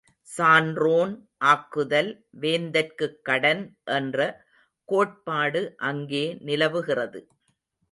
சான்றோன் ஆக்குதல் வேந்தற்குக் கடன் என்ற கோட்பாடு அங்கே நிலவுகிறது.